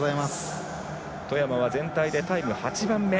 外山は全体でタイム８番目。